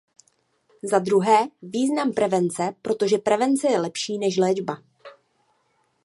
Za druhé, význam prevence, protože prevence je lepší než léčba.